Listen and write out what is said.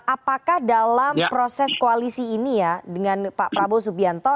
apakah dalam proses koalisi ini ya dengan pak prabowo subianto